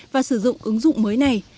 và sử dụng ứng dụng mới này